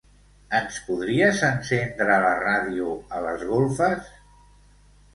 Ens podries encendre la ràdio a les golfes?